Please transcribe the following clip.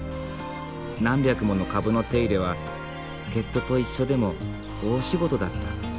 何百もの株の手入れは助っ人と一緒でも大仕事だった。